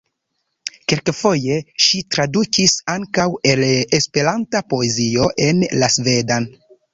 Kelkfoje ŝi tradukis ankaŭ el la Esperanta poezio en la svedan.